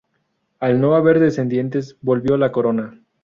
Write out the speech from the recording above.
Al no haber descendientes, volvió a la corona.